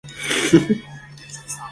因位于行德地区南部而命名。